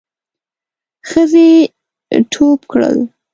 ښځې ټوپ کړل.